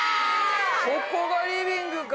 ここがリビングか。